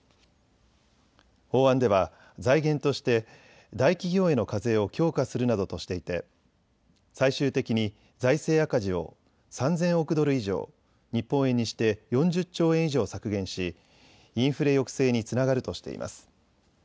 法案では財源として大企業への課税を強化するなどとしていて最終的に財政赤字を３０００億ドル以上、日本円にして４０兆円以上削減しインフレ抑制につながるとしています。